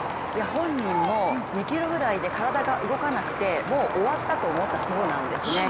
本人も２ｋｍぐらいで体が動かなくてもう終わったと思ったそうなんですね。